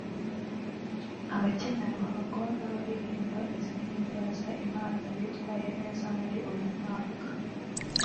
abakina ruhago n’abaririmba izihimbaza Imana bitwaye neza muri uyu mwaka